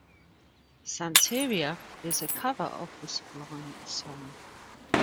"Santeria" is a cover of the Sublime song.